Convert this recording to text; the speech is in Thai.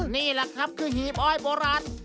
นี่แหละครับคือหีบอ้อยโบราณ